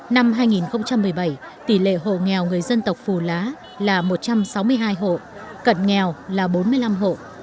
năm hai nghìn một mươi bảy tỷ lệ hộ nghèo người dân tộc phù lá là một trăm sáu mươi hai hộ cận nghèo là bốn mươi năm hộ